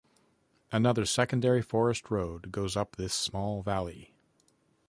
Another secondary forest road goes up this small valley.